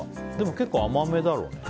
結構、甘めだろうね。